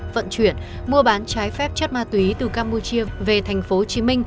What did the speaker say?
vận chuyển mua bán trái phép chất ma túy từ campuchia về tp hcm